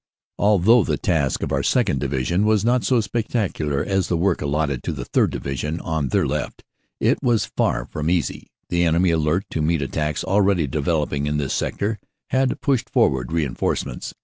Although the task of our 2nd. Division was not so spectac ular as the work allotted to the 3rd. Division on their left, it was far from easy. The enemy, alert to meet attacks already developing in this sector, had pushed forward reinforcements.